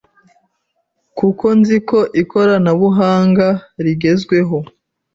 kuko nziko ikoranabuhanga rigezweho